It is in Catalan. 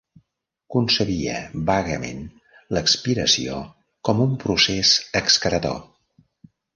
Concebia vagament l'expiració com un procés excretor.